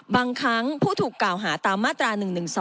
บางครั้งผู้ถูกกล่าวหาตามมาตรา๑๑๒